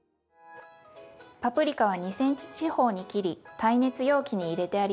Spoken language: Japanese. パプリカは２ｃｍ四方に切り耐熱容器に入れてあります。